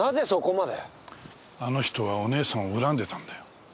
あの人はお姉さんを恨んでいたんだよ。